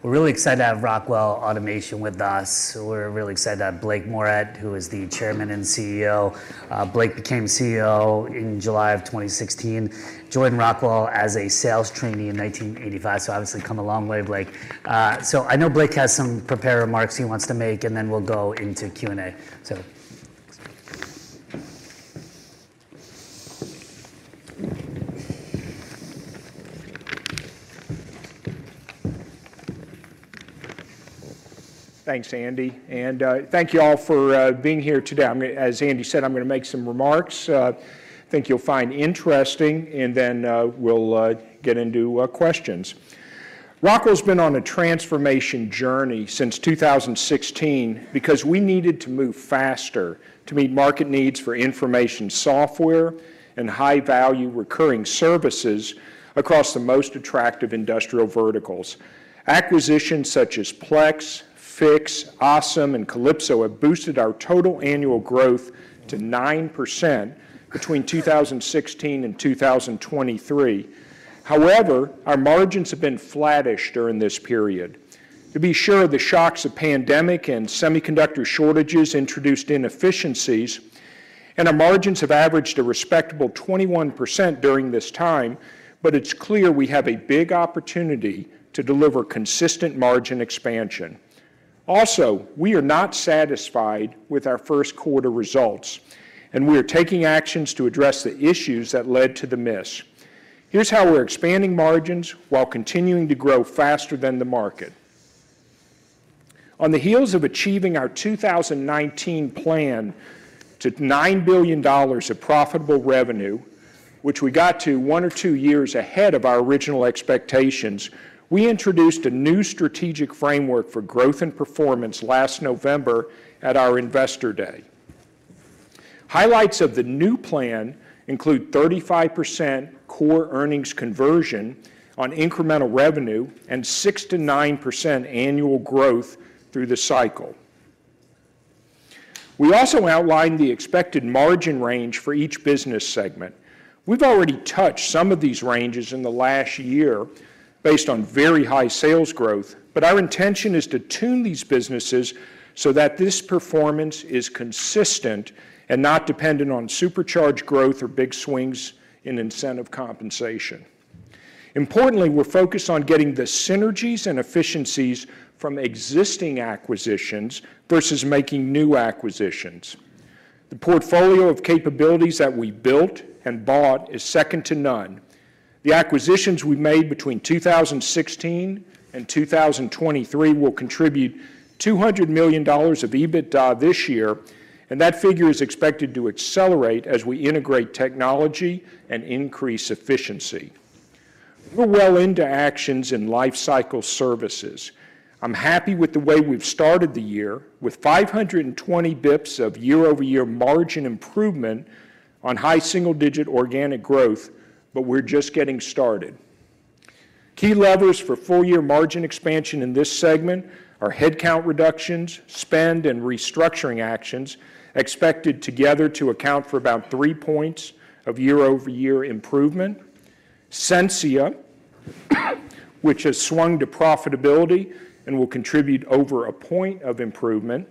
We're really excited to have Rockwell Automation with us. We're really excited to have Blake Moret, who is the Chairman and CEO. Blake became CEO in July of 2016, joined Rockwell as a sales trainee in 1985, so obviously come a long way, Blake. So I know Blake has some prepared remarks he wants to make, and then we'll go into Q&A. Thanks, Andy. Thank you all for being here today. As Andy said, I'm going to make some remarks I think you'll find interesting, and then we'll get into questions. Rockwell's been on a transformation journey since 2016 because we needed to move faster to meet market needs for information software and high-value recurring services across the most attractive industrial verticals. Acquisitions such as Plex, Fiix, ASEM, and Kalypso have boosted our total annual growth to 9% between 2016 and 2023. However, our margins have been flattish during this period. To be sure, the shocks of pandemic and semiconductor shortages introduced inefficiencies, and our margins have averaged a respectable 21% during this time, but it's clear we have a big opportunity to deliver consistent margin expansion. Also, we are not satisfied with our Q1 results, and we are taking actions to address the issues that led to the miss. Here's how we're expanding margins while continuing to grow faster than the market. On the heels of achieving our 2019 plan to $9 billion of profitable revenue, which we got to one or two years ahead of our original expectations, we introduced a new strategic framework for growth and performance last November at our investor day. Highlights of the new plan include 35% core earnings conversion on incremental revenue and 6%-9% annual growth through the cycle. We also outlined the expected margin range for each business segment. We've already touched some of these ranges in the last year based on very high sales growth, but our intention is to tune these businesses so that this performance is consistent and not dependent on supercharged growth or big swings in incentive compensation. Importantly, we're focused on getting the synergies and efficiencies from existing acquisitions versus making new acquisitions. The portfolio of capabilities that we built and bought is second to none. The acquisitions we made between 2016 and 2023 will contribute $200 million of EBITDA this year, and that figure is expected to accelerate as we integrate technology and increase efficiency. We're well into actions in Lifecycle Services. I'm happy with the way we've started the year, with 520 basis points of year-over-year margin improvement on high single-digit organic growth, but we're just getting started. Key levers for full-year margin expansion in this segment are headcount reductions, spend, and restructuring actions expected together to account for about three points of year-over-year improvement. Sensia, which has swung to profitability and will contribute over a point of improvement.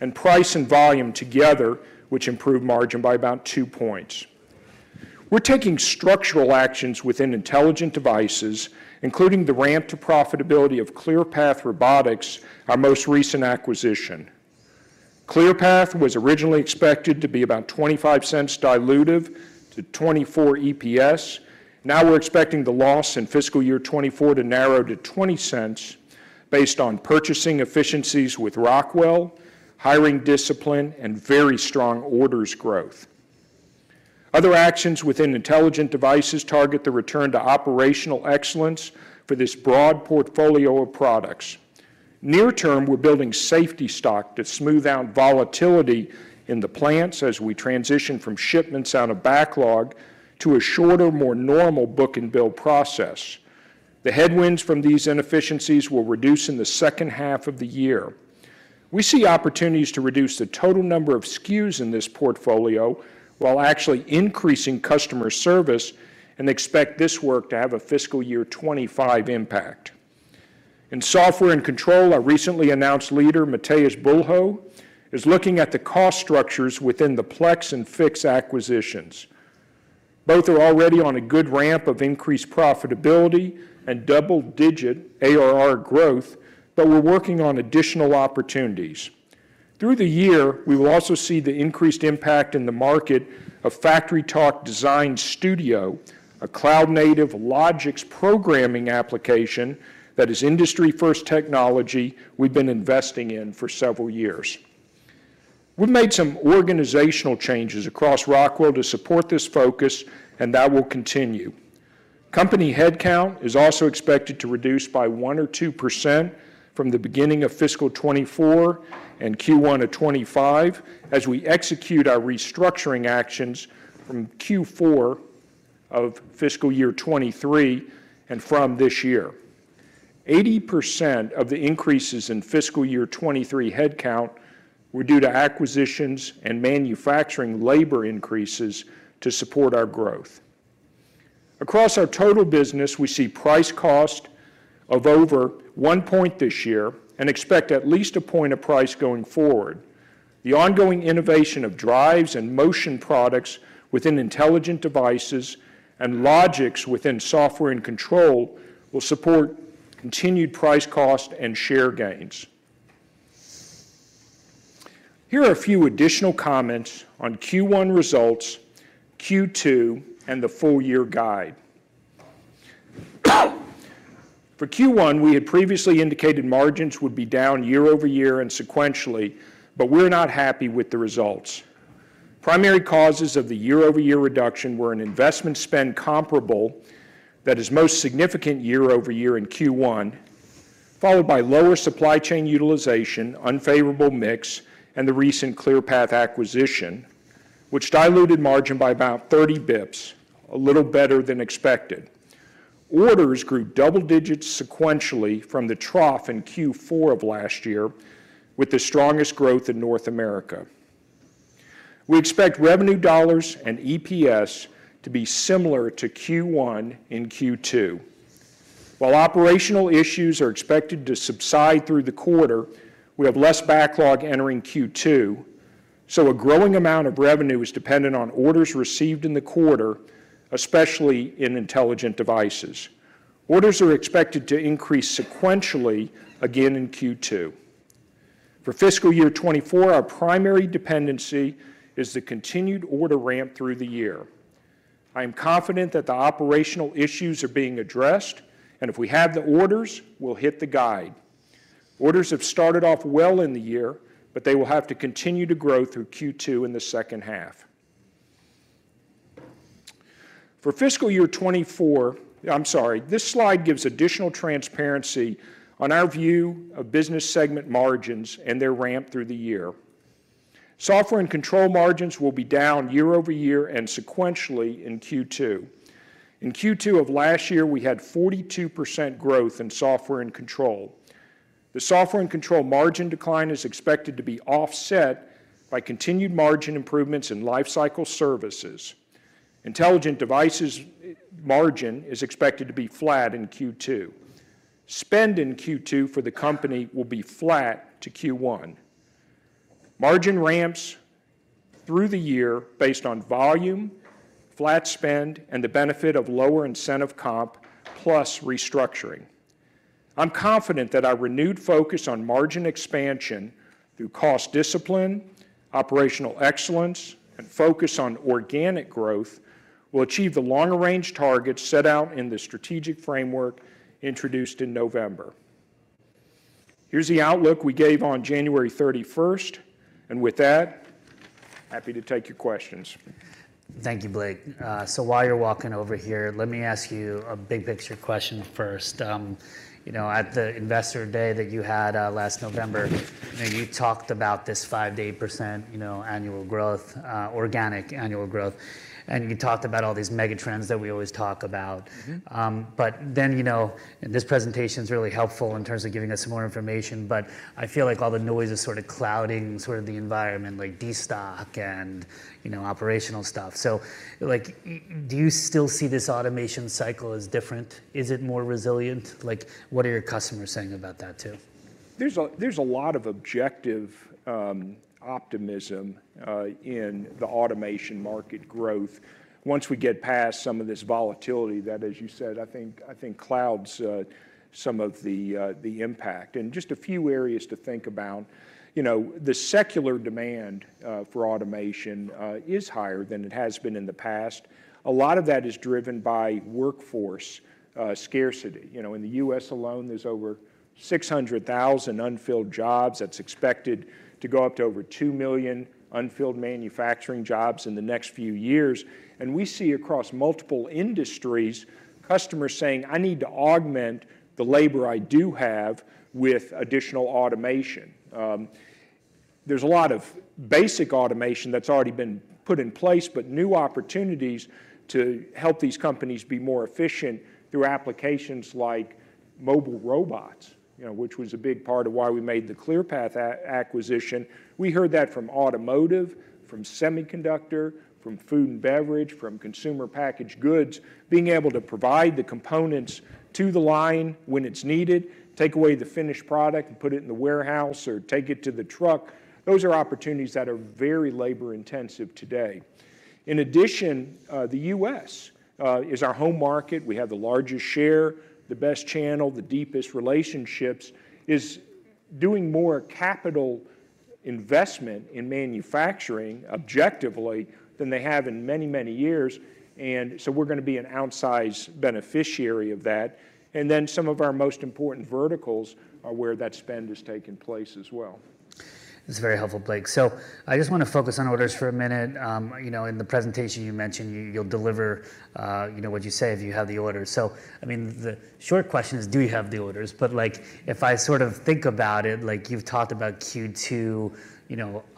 And price and volume together, which improve margin by about two points. We're taking structural actions within Intelligent Devices, including the ramp to profitability of Clearpath Robotics, our most recent acquisition. Clearpath was originally expected to be about $0.25 dilutive to 2024 EPS. Now we're expecting the loss in fiscal year 2024 to narrow to $0.20 based on purchasing efficiencies with Rockwell, hiring discipline, and very strong orders growth. Other actions within Intelligent Devices target the return to operational excellence for this broad portfolio of products. Near term, we're building safety stock to smooth out volatility in the plants as we transition from shipments out of backlog to a shorter, more normal book-and-bill process. The headwinds from these inefficiencies will reduce in the second half of the year. We see opportunities to reduce the total number of SKUs in this portfolio while actually increasing customer service, and expect this work to have a fiscal year 2025 impact. In Software and Control, our recently announced leader, Matheus Bulho, is looking at the cost structures within the Plex and Fiix acquisitions. Both are already on a good ramp of increased profitability and double-digit ARR growth, but we're working on additional opportunities. Through the year, we will also see the increased impact in the market of FactoryTalk Design Studio, a cloud-native Logix programming application that is industry-first technology we've been investing in for several years. We've made some organizational changes across Rockwell to support this focus, and that will continue. Company headcount is also expected to reduce by 1% or 2% from the beginning of fiscal 2024 and Q1 of 2025 as we execute our restructuring actions from Q4 of fiscal year 2023 and from this year. 80% of the increases in fiscal year 2023 headcount were due to acquisitions and manufacturing labor increases to support our growth. Across our total business, we see price cost of over 1 point this year and expect at least a point of price going forward. The ongoing innovation of drives and motion products within Intelligent Devices and Logix within Software and Control will support continued price cost and share gains. Here are a few additional comments on Q1 results, Q2, and the full-year guide. For Q1, we had previously indicated margins would be down year-over-year and sequentially, but we're not happy with the results. Primary causes of the year-over-year reduction were an investment spend comparable that is most significant year-over-year in Q1, followed by lower supply chain utilization, unfavorable mix, and the recent Clearpath acquisition, which diluted margin by about 30 basis points, a little better than expected. Orders grew double-digit sequentially from the trough in Q4 of last year, with the strongest growth in North America. We expect revenue dollars and EPS to be similar to Q1 and Q2. While operational issues are expected to subside through the quarter, we have less backlog entering Q2, so a growing amount of revenue is dependent on orders received in the quarter, especially in Intelligent Devices. Orders are expected to increase sequentially again in Q2. For fiscal year 2024, our primary dependency is the continued order ramp through the year. I am confident that the operational issues are being addressed, and if we have the orders, we'll hit the guide. Orders have started off well in the year, but they will have to continue to grow through Q2 in the second half. For fiscal year 2024, I'm sorry, this slide gives additional transparency on our view of business segment margins and their ramp through the year. Software and Control margins will be down year-over-year and sequentially in Q2. In Q2 of last year, we had 42% growth in Software and Control. The Software and Control margin decline is expected to be offset by continued margin improvements in Lifecycle Services. Intelligent Devices margin is expected to be flat in Q2. Spend in Q2 for the company will be flat to Q1. Margin ramps through the year based on volume, flat spend, and the benefit of lower incentive comp plus restructuring. I'm confident that our renewed focus on margin expansion through cost discipline, operational excellence, and focus on organic growth will achieve the longer-range targets set out in the strategic framework introduced in November. Here's the outlook we gave on January 31st, and with that, happy to take your questions. Thank you, Blake. So while you're walking over here, let me ask you a big-picture question first. At the investor day that you had last November, you talked about this 5%-8% organic annual growth, and you talked about all these megatrends that we always talk about. But then this presentation's really helpful in terms of giving us some more information, but I feel like all the noise is sort of clouding the environment, like de-stock and operational stuff. So do you still see this automation cycle as different? Is it more resilient? What are your customers saying about that too? There's a lot of objective optimism in the automation market growth once we get past some of this volatility that, as you said, I think clouds some of the impact. Just a few areas to think about. The secular demand for automation is higher than it has been in the past. A lot of that is driven by workforce scarcity. In the U.S. alone, there's over 600,000 unfilled jobs. That's expected to go up to over 2 million unfilled manufacturing jobs in the next few years. We see across multiple industries customers saying, "I need to augment the labor I do have with additional automation." There's a lot of basic automation that's already been put in place, but new opportunities to help these companies be more efficient through applications like mobile robots, which was a big part of why we made the Clearpath acquisition. We heard that from automotive, from semiconductor, from food and beverage, from consumer packaged goods. Being able to provide the components to the line when it's needed, take away the finished product and put it in the warehouse, or take it to the truck, those are opportunities that are very labor-intensive today. In addition, the U.S. is our home market. We have the largest share, the best channel, the deepest relationships, is doing more capital investment in manufacturing objectively than they have in many, many years, and so we're going to be an outsized beneficiary of that. And then some of our most important verticals are where that spend is taking place as well. That's very helpful, Blake. So I just want to focus on orders for a minute. In the presentation, you mentioned you'll deliver what you say if you have the orders. So the short question is, do you have the orders? But if I sort of think about it, you've talked about Q2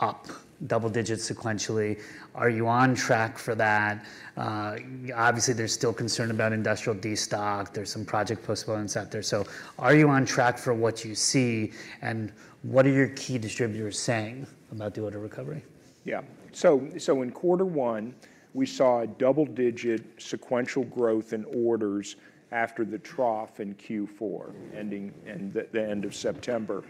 up, double-digit sequentially. Are you on track for that? Obviously, there's still concern about industrial de-stock. There's some project postponements out there. So are you on track for what you see, and what are your key distributors saying about the order recovery? Yeah. So in quarter one, we saw double-digit sequential growth in orders after the trough in Q4, ending the end of September.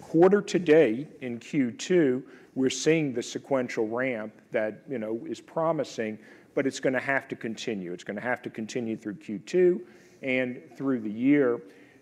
Quarter today in Q2, we're seeing the sequential ramp that is promising, but it's going to have to continue. It's going to have to continue through Q2 and through the year.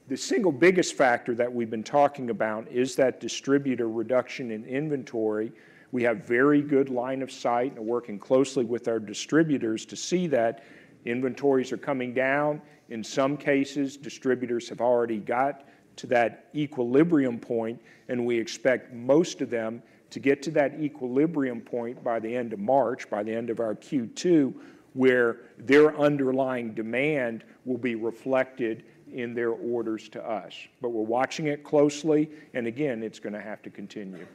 The single biggest factor that we've been talking about is that distributor reduction in inventory. We have very good line of sight, and we're working closely with our distributors to see that. Inventories are coming down. In some cases, distributors have already got to that equilibrium point, and we expect most of them to get to that equilibrium point by the end of March, by the end of our Q2, where their underlying demand will be reflected in their orders to us. But we're watching it closely, and again, it's going to have to continue.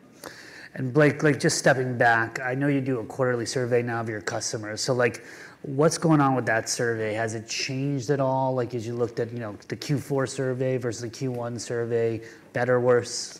Blake, just stepping back, I know you do a quarterly survey now of your customers. What's going on with that survey? Has it changed at all as you looked at the Q4 survey versus the Q1 survey? Better, worse?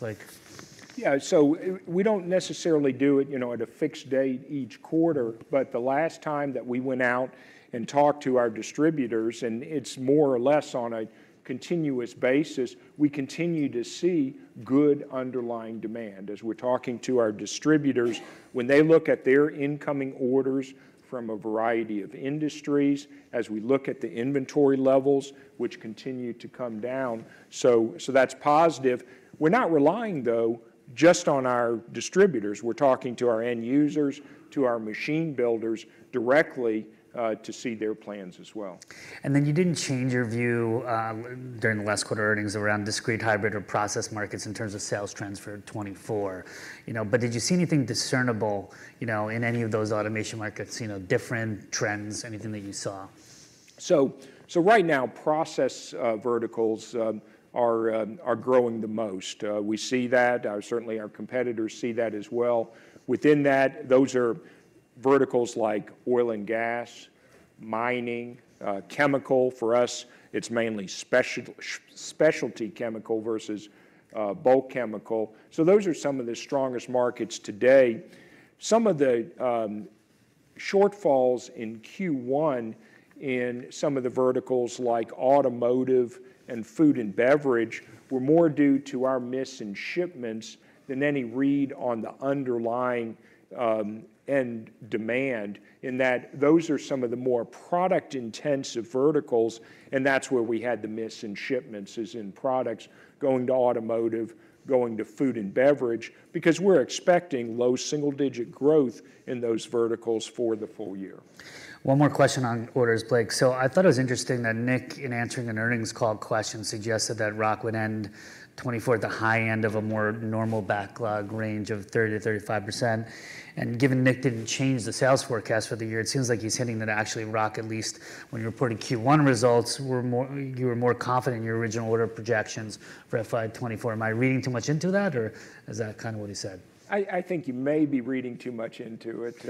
Yeah. So we don't necessarily do it at a fixed date each quarter, but the last time that we went out and talked to our distributors, and it's more or less on a continuous basis, we continue to see good underlying demand. As we're talking to our distributors, when they look at their incoming orders from a variety of industries, as we look at the inventory levels, which continue to come down, so that's positive. We're not relying, though, just on our distributors. We're talking to our end users, to our machine builders directly to see their plans as well. And then you didn't change your view during the last quarter earnings around discrete, hybrid, or process markets in terms of sales trajectory 2024. But did you see anything discernible in any of those automation markets, different trends, anything that you saw? So right now, process verticals are growing the most. We see that. Certainly, our competitors see that as well. Within that, those are verticals like oil and gas, mining, chemical. For us, it's mainly specialty chemical versus bulk chemical. So those are some of the strongest markets today. Some of the shortfalls in Q1 in some of the verticals like automotive and food and beverage were more due to our miss in shipments than any read on the underlying end demand, in that those are some of the more product-intensive verticals, and that's where we had the miss in shipments, is in products going to automotive, going to food and beverage, because we're expecting low single-digit growth in those verticals for the full year. One more question on orders, Blake. So I thought it was interesting that Nick, in answering an earnings call question, suggested that Rock would end 2024 at the high end of a more normal backlog range of 30%-35%. And given Nick didn't change the sales forecast for the year, it seems like he's hinting that actually, Rock, at least when you reported Q1 results, you were more confident in your original order projections for FY 2024. Am I reading too much into that, or is that kind of what he said? I think you may be reading too much into it.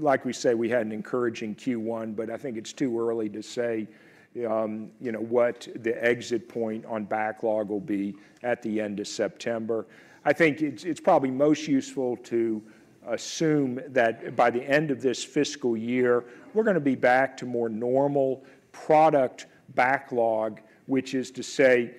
Like we say, we had an encouraging Q1, but I think it's too early to say what the exit point on backlog will be at the end of September. I think it's probably most useful to assume that by the end of this fiscal year, we're going to be back to more normal product backlog, which is to say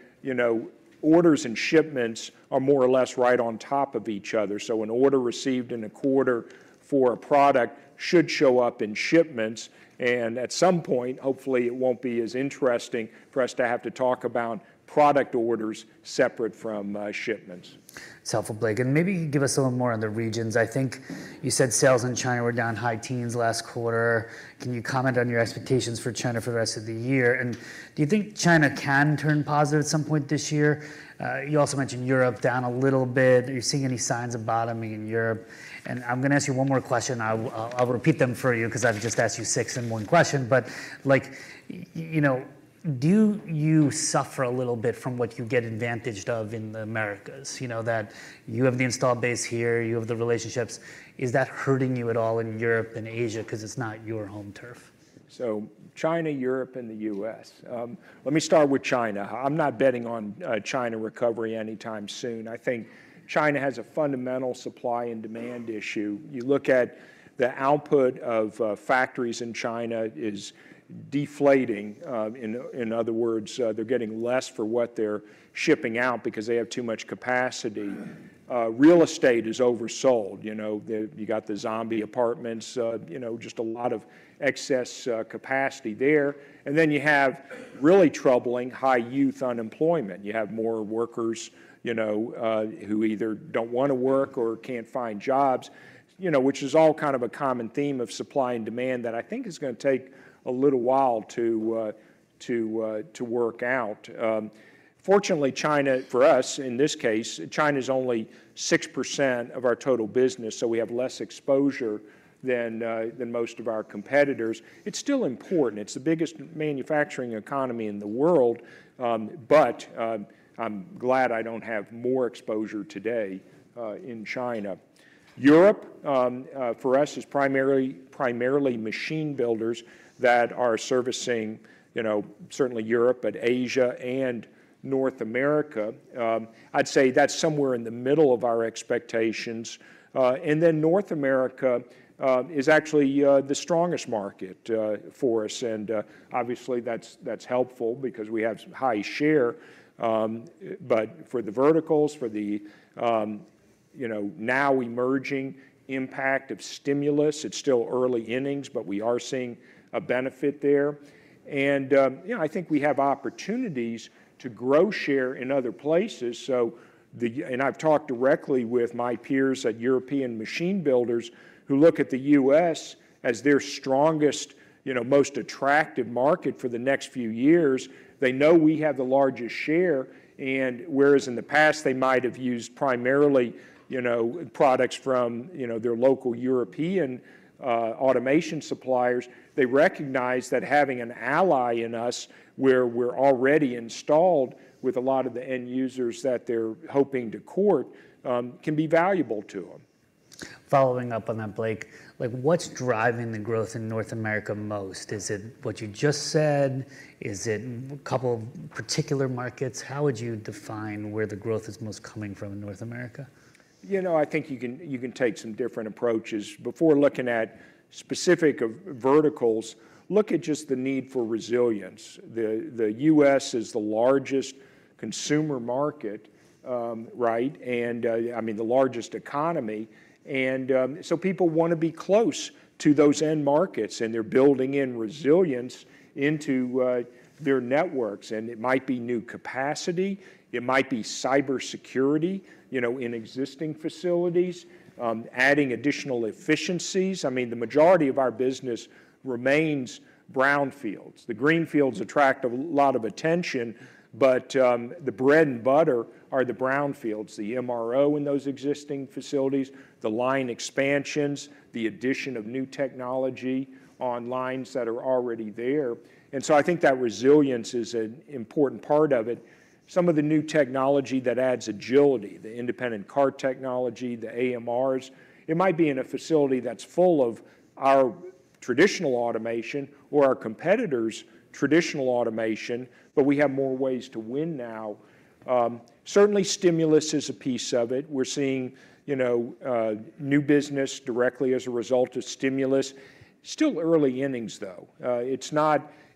orders and shipments are more or less right on top of each other. So an order received in a quarter for a product should show up in shipments, and at some point, hopefully, it won't be as interesting for us to have to talk about product orders separate from shipments. It's helpful, Blake. And maybe give us a little more on the regions. I think you said sales in China were down high teens last quarter. Can you comment on your expectations for China for the rest of the year? And do you think China can turn positive at some point this year? You also mentioned Europe down a little bit. Are you seeing any signs of bottoming in Europe? And I'm going to ask you one more question. I'll repeat them for you because I've just asked you six in one question. But do you suffer a little bit from what you get advantaged of in the Americas, that you have the installed base here, you have the relationships? Is that hurting you at all in Europe and Asia because it's not your home turf? So China, Europe, and the US. Let me start with China. I'm not betting on China recovery anytime soon. I think China has a fundamental supply and demand issue. You look at the output of factories in China is deflating. In other words, they're getting less for what they're shipping out because they have too much capacity. Real estate is oversold. You got the zombie apartments, just a lot of excess capacity there. And then you have really troubling high youth unemployment. You have more workers who either don't want to work or can't find jobs, which is all kind of a common theme of supply and demand that I think is going to take a little while to work out. Fortunately, China, for us in this case, China is only 6% of our total business, so we have less exposure than most of our competitors. It's still important. It's the biggest manufacturing economy in the world, but I'm glad I don't have more exposure today in China. Europe, for us, is primarily machine builders that are servicing certainly Europe, but Asia and North America. I'd say that's somewhere in the middle of our expectations. And then North America is actually the strongest market for us, and obviously, that's helpful because we have some high share. But for the verticals, for the now emerging impact of stimulus, it's still early innings, but we are seeing a benefit there. And I think we have opportunities to grow share in other places. And I've talked directly with my peers at European machine builders who look at the U.S. as their strongest, most attractive market for the next few years. They know we have the largest share, and whereas in the past, they might have used primarily products from their local European automation suppliers, they recognize that having an ally in us where we're already installed with a lot of the end users that they're hoping to court can be valuable to them. Following up on that, Blake, what's driving the growth in North America most? Is it what you just said? Is it a couple of particular markets? How would you define where the growth is most coming from in North America? I think you can take some different approaches. Before looking at specific verticals, look at just the need for resilience. The U.S. is the largest consumer market, and the largest economy. And so people want to be close to those end markets, and they're building in resilience into their networks. And it might be new capacity. It might be cybersecurity in existing facilities, adding additional efficiencies. The majority of our business remains brownfields. The greenfields attract a lot of attention, but the bread and butter are the brownfields, the MRO in those existing facilities, the line expansions, the addition of new technology on lines that are already there. And so I think that resilience is an important part of it. Some of the new technology that adds agility, the Independent Cart Technology, the AMRs, it might be in a facility that's full of our traditional automation or our competitors' traditional automation, but we have more ways to win now. Certainly, stimulus is a piece of it. We're seeing new business directly as a result of stimulus. Still early innings, though.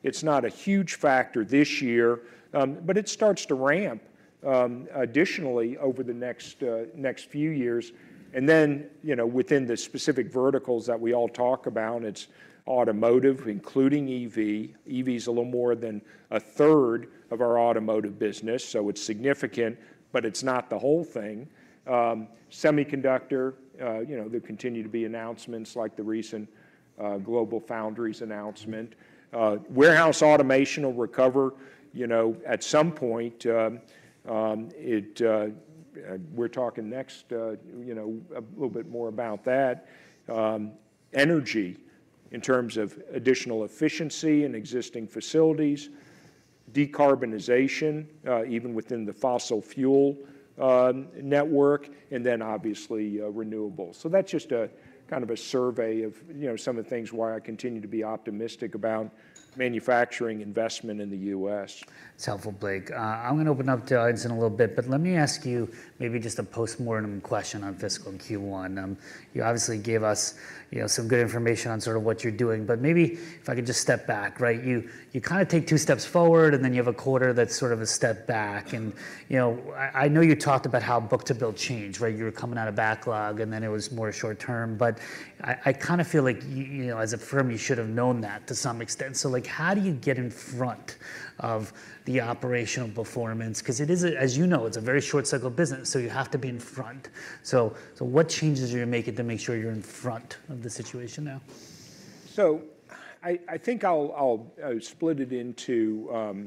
It's not a huge factor this year, but it starts to ramp additionally over the next few years. And then within the specific verticals that we all talk about, it's automotive, including EV. EV is a little more than a third of our automotive business, so it's significant, but it's not the whole thing. Semiconductor, there continue to be announcements like the recent GlobalFoundries announcement. Warehouse automation will recover at some point. We're talking next a little bit more about that. Energy in terms of additional efficiency in existing facilities, decarbonization, even within the fossil fuel network, and then obviously renewables. So that's just kind of a survey of some of the things why I continue to be optimistic about manufacturing investment in the U.S. It's helpful, Blake. I'm going to open up to questions a little bit, but let me ask you maybe just a postmortem question on fiscal Q1. You obviously gave us some good information on sort of what you're doing, but maybe if I could just step back. You kind of take two steps forward, and then you have a quarter that's sort of a step back. And I know you talked about how book-to-bill changed. You were coming out of backlog, and then it was more short-term. But I kind of feel like as a firm, you should have known that to some extent. So how do you get in front of the operational performance? Because as you know, it's a very short-cycle business, so you have to be in front. So what changes are you making to make sure you're in front of the situation now? So I think I'll split it into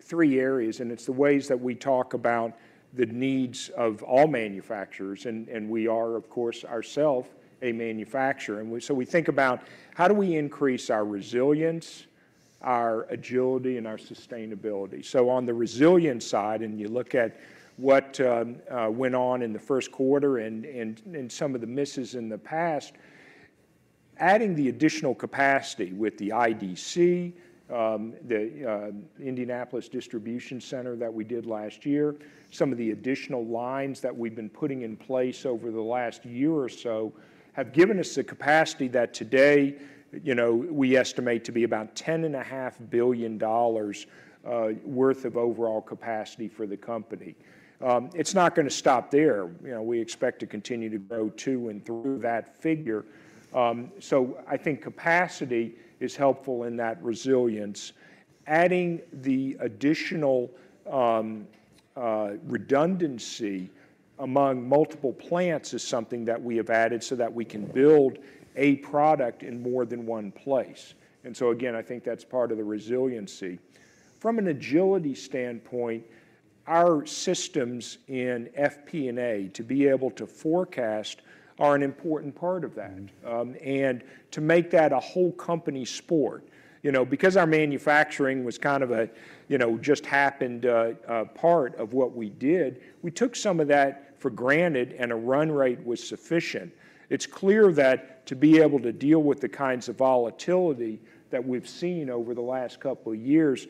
three areas, and it's the ways that we talk about the needs of all manufacturers. And we are, of course, ourself a manufacturer. And so we think about how do we increase our resilience, our agility, and our sustainability? So on the resilience side, and you look at what went on in the Q1 and some of the misses in the past, adding the additional capacity with the IDC, the Indianapolis Distribution Center that we did last year, some of the additional lines that we've been putting in place over the last year or so have given us the capacity that today we estimate to be about $10.5 billion worth of overall capacity for the company. It's not going to stop there. We expect to continue to grow to and through that figure. So I think capacity is helpful in that resilience. Adding the additional redundancy among multiple plants is something that we have added so that we can build a product in more than one place. And so again, I think that's part of the resiliency. From an agility standpoint, our systems in FP&A to be able to forecast are an important part of that. And to make that a whole company sport, because our manufacturing was kind of a just happened part of what we did, we took some of that for granted, and a run rate was sufficient. It's clear that to be able to deal with the kinds of volatility that we've seen over the last couple of years,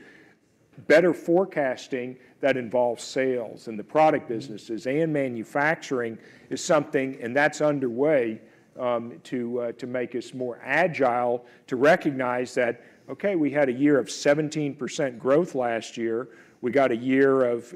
better forecasting that involves sales and the product businesses and manufacturing is something, and that's underway, to make us more agile, to recognize that, okay, we had a year of 17% growth last year. We got a year of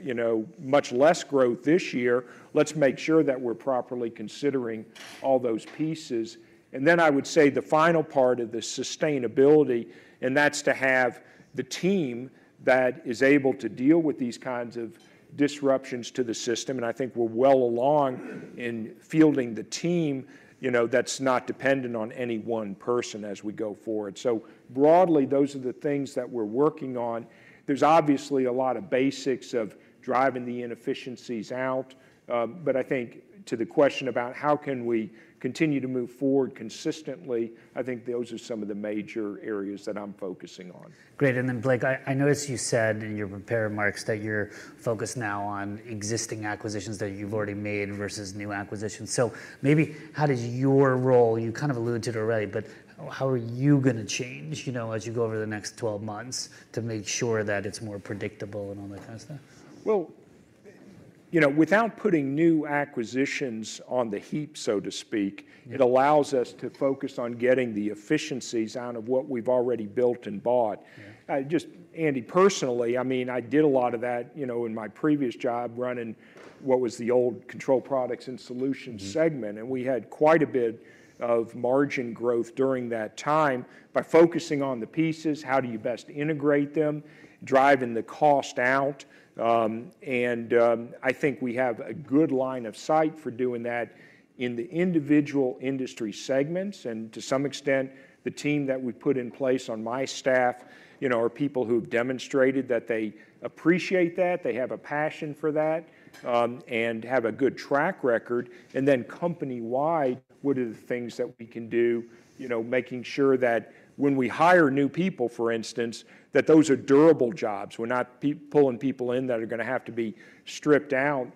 much less growth this year. Let's make sure that we're properly considering all those pieces. And then I would say the final part of the sustainability, and that's to have the team that is able to deal with these kinds of disruptions to the system. And I think we're well along in fielding the team that's not dependent on any one person as we go forward. So broadly, those are the things that we're working on. There's obviously a lot of basics of driving the inefficiencies out. But I think to the question about how can we continue to move forward consistently, I think those are some of the major areas that I'm focusing on. Great. And then, Blake, I noticed you said in your prepared remarks that you're focused now on existing acquisitions that you've already made versus new acquisitions. So maybe how does your role, you kind of alluded to it already, but how are you going to change as you go over the next 12 months to make sure that it's more predictable and all that kind of stuff? Well, without putting new acquisitions on the heap, so to speak, it allows us to focus on getting the efficiencies out of what we've already built and bought. Just Andy personally, I did a lot of that in my previous job running what was the old control products and solutions segment, and we had quite a bit of margin growth during that time by focusing on the pieces. How do you best integrate them, driving the cost out? And I think we have a good line of sight for doing that in the individual industry segments. And to some extent, the team that we put in place on my staff are people who have demonstrated that they appreciate that, they have a passion for that, and have a good track record. And then company-wide, what are the things that we can do, making sure that when we hire new people, for instance, that those are durable jobs. We're not pulling people in that are going to have to be stripped out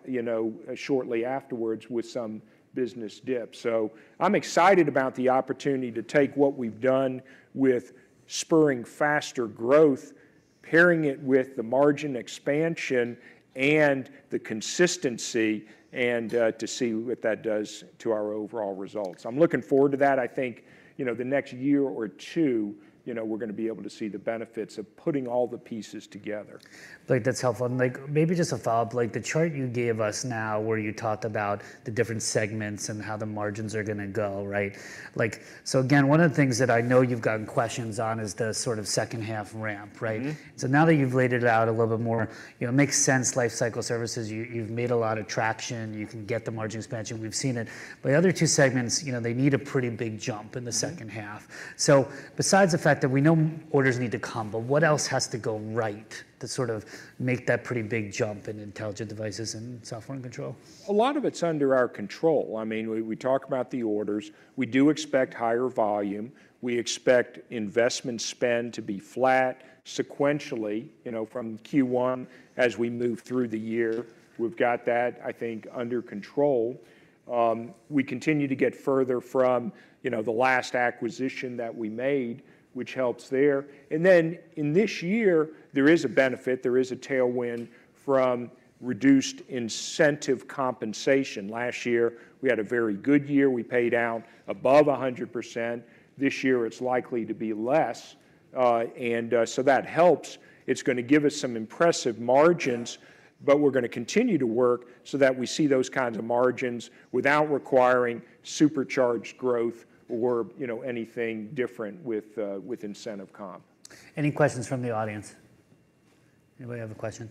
shortly afterwards with some business dip. So I'm excited about the opportunity to take what we've done with spurring faster growth, pairing it with the margin expansion and the consistency, and to see what that does to our overall results. I'm looking forward to that. I think the next year or two, we're going to be able to see the benefits of putting all the pieces together. Blake, that's helpful. And maybe just a follow-up, the chart you gave us now where you talked about the different segments and how the margins are going to go. So again, one of the things that I know you've gotten questions on is the sort of second-half ramp. So now that you've laid it out a little bit more, it makes sense. Lifecycle Services, you've made a lot of traction. You can get the margin expansion. We've seen it. But the other two segments, they need a pretty big jump in the second half. So besides the fact that we know orders need to come, but what else has to go right to sort of make that pretty big jump in Intelligent Devices and Software and Control? A lot of it's under our control. We talk about the orders. We do expect higher volume. We expect investment spend to be flat sequentially from Q1 as we move through the year. We've got that, I think, under control. We continue to get further from the last acquisition that we made, which helps there. And then in this year, there is a benefit. There is a tailwind from reduced incentive compensation. Last year, we had a very good year. We paid out above 100%. This year, it's likely to be less. And so that helps. It's going to give us some impressive margins, but we're going to continue to work so that we see those kinds of margins without requiring supercharged growth or anything different with incentive comp. Any questions from the audience? Anybody have a question?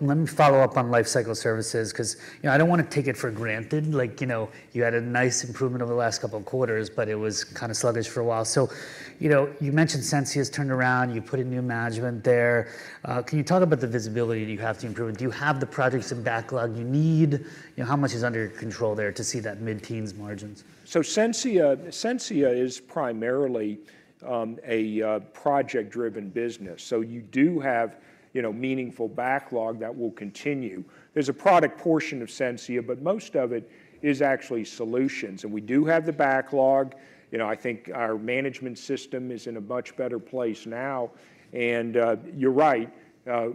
Let me follow up on Lifecycle Services because I don't want to take it for granted. You had a nice improvement over the last couple of quarters, but it was kind of sluggish for a while. You mentioned Sensia has turned around. You put in new management there. Can you talk about the visibility that you have to improve it? Do you have the projects in backlog you need? How much is under your control there to see that mid-teens margins? Sensia is primarily a project-driven business. You do have meaningful backlog that will continue. There's a product portion of Sensia, but most of it is actually solutions. We do have the backlog. I think our management system is in a much better place now. You're right.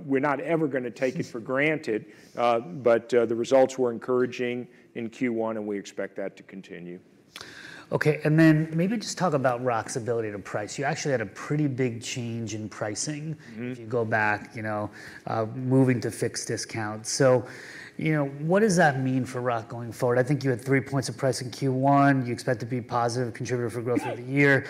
We're not ever going to take it for granted, but the results were encouraging in Q1, and we expect that to continue. Okay. And then maybe just talk about Rock's ability to price. You actually had a pretty big change in pricing if you go back, moving to fixed discounts. So what does that mean for Rock going forward? I think you had 3 points of price in Q1. You expect to be a positive contributor for growth over the year.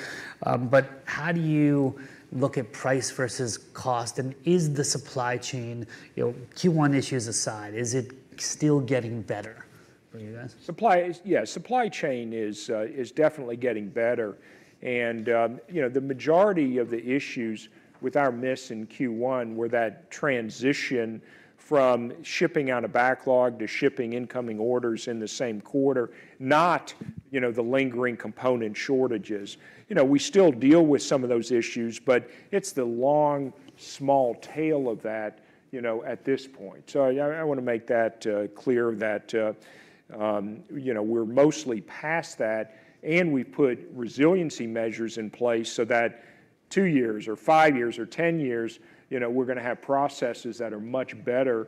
But how do you look at price versus cost? And is the supply chain Q1 issues aside, is it still getting better for you guys? Yeah, supply chain is definitely getting better. The majority of the issues with our miss in Q1 were that transition from shipping out a backlog to shipping incoming orders in the same quarter, not the lingering component shortages. We still deal with some of those issues, but it's the long, small tail of that at this point. I want to make that clear that we're mostly past that, and we've put resiliency measures in place so that 2 years or 5 years or 10 years, we're going to have processes that are much better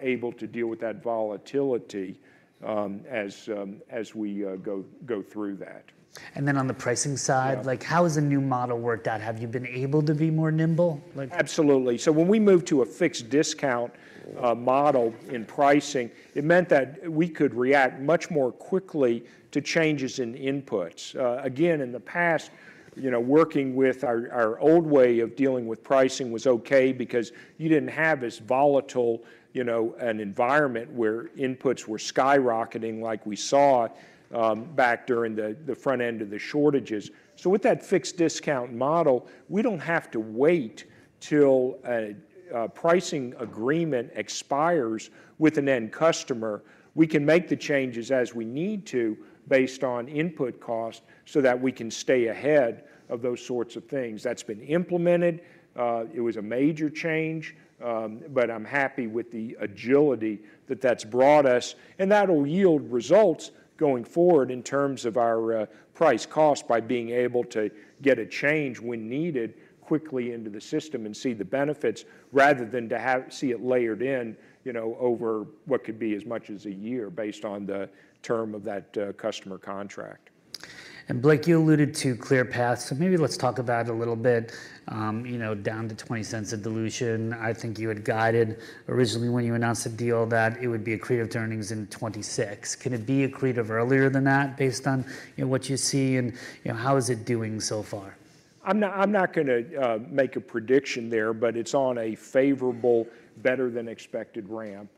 able to deal with that volatility as we go through that. On the pricing side, how has the new model worked out? Have you been able to be more nimble? Absolutely. So when we moved to a fixed discount model in pricing, it meant that we could react much more quickly to changes in inputs. Again, in the past, working with our old way of dealing with pricing was okay because you didn't have as volatile an environment where inputs were skyrocketing like we saw back during the front end of the shortages. So with that fixed discount model, we don't have to wait till a pricing agreement expires with an end customer. We can make the changes as we need to based on input cost so that we can stay ahead of those sorts of things. That's been implemented. It was a major change, but I'm happy with the agility that that's brought us. That'll yield results going forward in terms of our price-cost by being able to get a change when needed quickly into the system and see the benefits rather than to see it layered in over what could be as much as a year based on the term of that customer contract. Blake, you alluded to Clearpath. Maybe let's talk about it a little bit. Down to $0.20 of dilution, I think you had guided originally when you announced the deal that it would be accretive to earnings in 2026. Can it be accretive earlier than that based on what you see? How is it doing so far? I'm not going to make a prediction there, but it's on a favorable, better-than-expected ramp,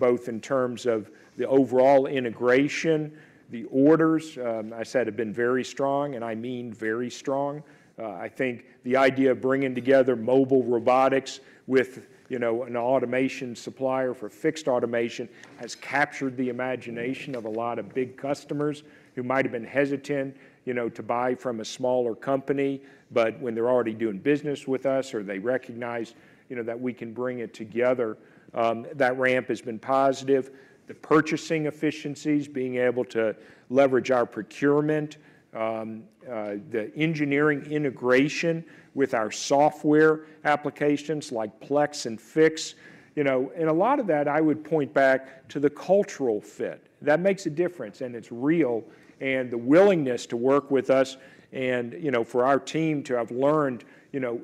both in terms of the overall integration. The orders, I said, have been very strong, and I mean very strong. I think the idea of bringing together mobile robotics with an automation supplier for fixed automation has captured the imagination of a lot of big customers who might have been hesitant to buy from a smaller company, but when they're already doing business with us or they recognize that we can bring it together, that ramp has been positive. The purchasing efficiencies, being able to leverage our procurement, the engineering integration with our software applications like Plex and Fiix, and a lot of that, I would point back to the cultural fit. That makes a difference, and it's real. The willingness to work with us and for our team to have learned,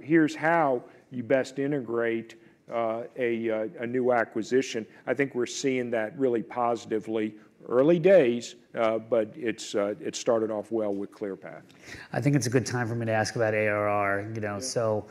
"Here's how you best integrate a new acquisition," I think we're seeing that really positively. Early days, but it started off well withClearpath. I think it's a good time for me to ask about ARR. So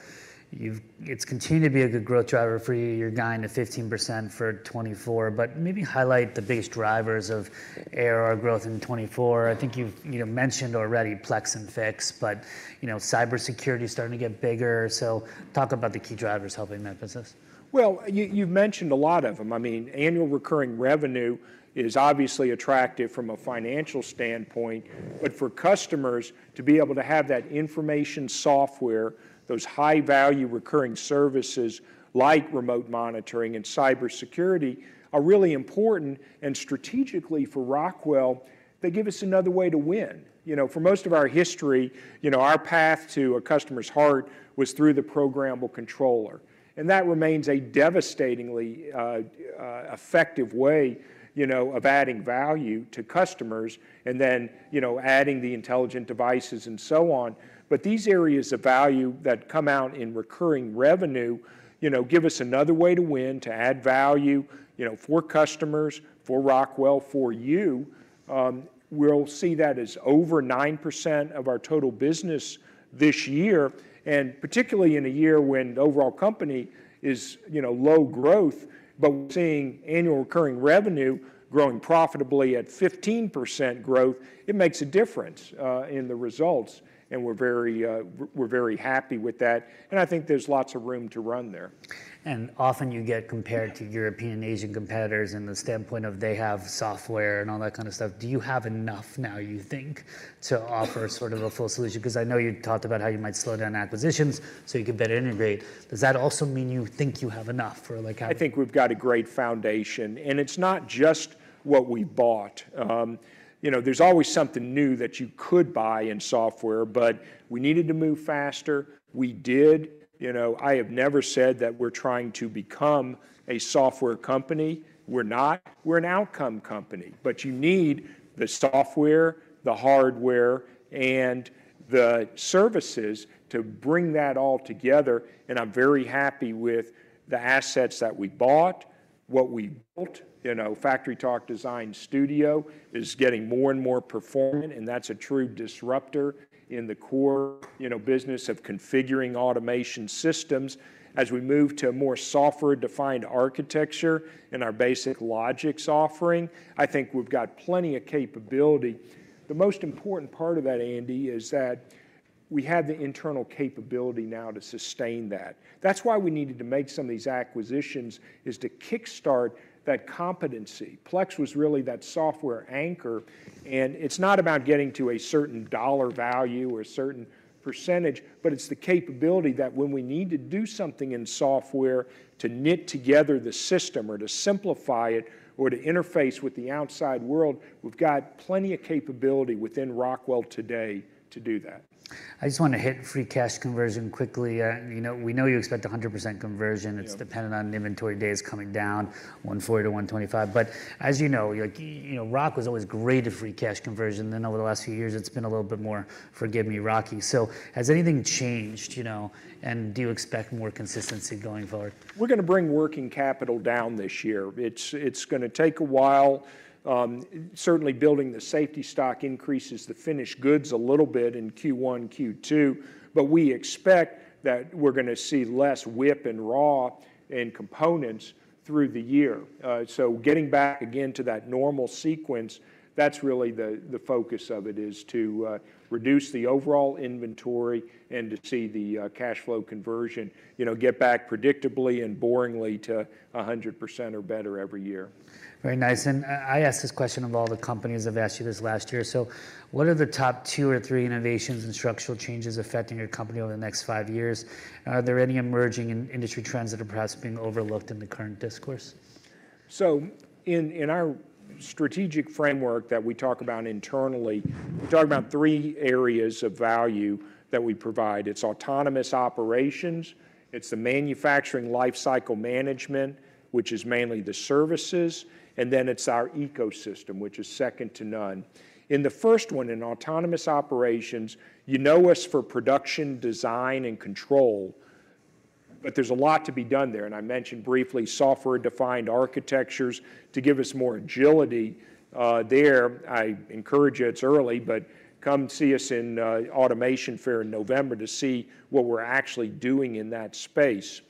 it's continued to be a good growth driver for you. You're guiding to 15% for 2024, but maybe highlight the biggest drivers of ARR growth in 2024. I think you've mentioned already Plex and Fiix, but cybersecurity is starting to get bigger. So talk about the key drivers helping that business. Well, you've mentioned a lot of them. I mean, annual recurring revenue is obviously attractive from a financial standpoint, but for customers to be able to have that information software, those high-value recurring services like remote monitoring and cybersecurity are really important. And strategically for Rockwell, they give us another way to win. For most of our history, our path to a customer's heart was through the programmable controller. And that remains a devastatingly effective way of adding value to customers and then adding the Intelligent Devices and so on. But these areas of value that come out in recurring revenue give us another way to win, to add value for customers, for Rockwell, for you. We'll see that as over 9% of our total business this year, and particularly in a year when overall company is low growth, but we're seeing annual recurring revenue growing profitably at 15% growth. It makes a difference in the results, and we're very happy with that. And I think there's lots of room to run there. Often you get compared to European and Asian competitors in the standpoint of they have software and all that kind of stuff. Do you have enough now, you think, to offer sort of a full solution? Because I know you talked about how you might slow down acquisitions so you could better integrate. Does that also mean you think you have enough or how? I think we've got a great foundation, and it's not just what we bought. There's always something new that you could buy in software, but we needed to move faster. We did. I have never said that we're trying to become a software company. We're not. We're an outcome company. But you need the software, the hardware, and the services to bring that all together. And I'm very happy with the assets that we bought, what we built. FactoryTalk Design Studio is getting more and more performant, and that's a true disruptor in the core business of configuring automation systems. As we move to a more software-defined architecture in our basic Logix offering, I think we've got plenty of capability. The most important part of that, Andy, is that we have the internal capability now to sustain that. That's why we needed to make some of these acquisitions is to kickstart that competency. Plex was really that software anchor. And it's not about getting to a certain dollar value or a certain percentage, but it's the capability that when we need to do something in software to knit together the system or to simplify it or to interface with the outside world, we've got plenty of capability within Rockwell today to do that. I just want to hit free cash conversion quickly. We know you expect 100% conversion. It's dependent on inventory days coming down, 140-125. But as you know, Rock was always great at free cash conversion. Then over the last few years, it's been a little bit more, forgive me, rocky. So has anything changed, and do you expect more consistency going forward? We're going to bring working capital down this year. It's going to take a while. Certainly, building the safety stock increases the finished goods a little bit in Q1, Q2, but we expect that we're going to see less WIP and raw in components through the year. So getting back again to that normal sequence, that's really the focus of it, is to reduce the overall inventory and to see the cash flow conversion, get back predictably and boringly to 100% or better every year. Very nice. And I ask this question of all the companies. I've asked you this last year. So what are the top two or three innovations and structural changes affecting your company over the next five years? Are there any emerging industry trends that are perhaps being overlooked in the current discourse? So in our strategic framework that we talk about internally, we talk about three areas of value that we provide. It's autonomous operations. It's the manufacturing lifecycle management, which is mainly the services. And then it's our ecosystem, which is second to none. In the first one, in autonomous operations, you know us for production, design, and control, but there's a lot to be done there. And I mentioned briefly software-defined architectures to give us more agility there. I encourage you. It's early, but come see us in Automation Fair in November to see what we're actually doing in that space.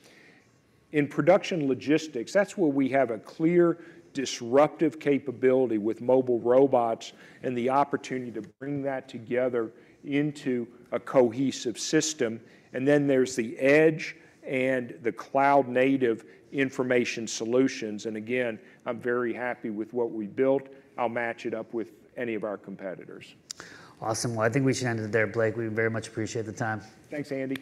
In production logistics, that's where we have a clear disruptive capability with mobile robots and the opportunity to bring that together into a cohesive system. And then there's the edge and the cloud-native information solutions. And again, I'm very happy with what we built. I'll match it up with any of our competitors. Awesome. Well, I think we should end it there, Blake. We very much appreciate the time. Thanks, Andy.